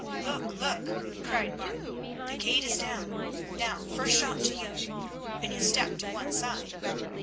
"Look! look!" cried Martin. "The gate is down. Now, first shot to you," and he stepped to one side.